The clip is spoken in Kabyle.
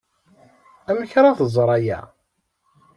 Amek ara tẓer aya?